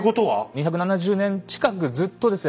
２７０年近くずっとですね